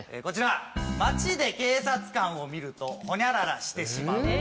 街で警察官を見るとほにゃららしてしまう。